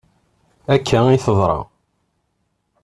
Akka i teḍra.